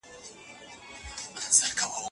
د ګلستان او بکواه ولسوالۍ د دلارام ګاونډیاني دي.